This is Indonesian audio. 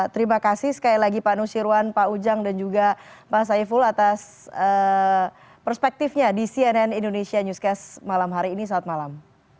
terima kasih sekali lagi pak nusirwan pak ujang dan juga mas saiful atas perspektifnya di cnn indonesia newscast malam hari ini saat malam